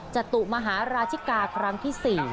จตุมหาราชิกาครั้งที่๔